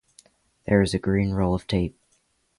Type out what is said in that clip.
There is a green roll of tape.